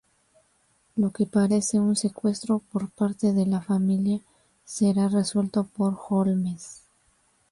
Lo que parece un secuestro por parte de la familia, será resuelto por Holmes.